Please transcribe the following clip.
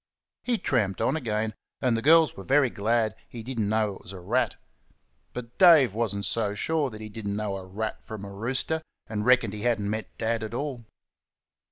He tramped on again, and the girls were very glad he did n't know it was a rat. But Dave was n't so sure that he did n't know a rat from a rooster, and reckoned he had n't met Dad at all.